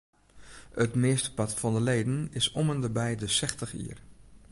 It meastepart fan de leden is om ende by de sechstich jier.